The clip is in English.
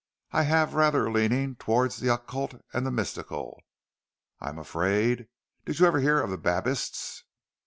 I have rather a leaning toward the occult and the mystical, I'm afraid. Did you ever hear of the Babists?"